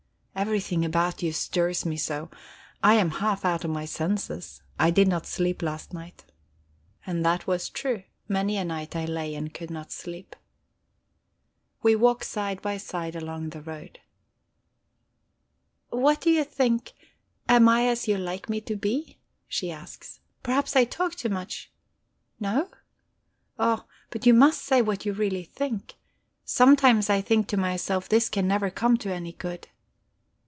Everything about you stirs me so! I am half out of my senses. I did not sleep last night." And that was true. Many a night I lay and could not sleep. We walk side by side along the road. "What do you think am I as you like me to be?" she asks. "Perhaps I talk too much. No? Oh, but you must say what you really think. Sometimes I think to myself this can never come to any good..."